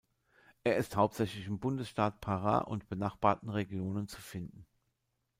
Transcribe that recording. Er ist hauptsächlich im Bundesstaat Pará und benachbarten Regionen zu finden.